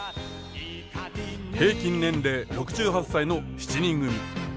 平均年齢６８歳の７人組。